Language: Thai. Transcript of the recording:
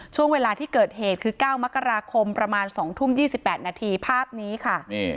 ช่วงเวลาที่เกิดเหตุคือ๙มกราคมประมาณ๒ทุ่ม๒๘นาทีภาพนี้ค่ะ